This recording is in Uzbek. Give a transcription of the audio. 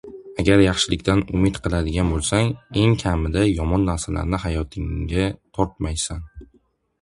Agar yaxshilikdan umid qiladigan boʻlsang, eng kamida yomon narsalarni hayotingga tortmaysan.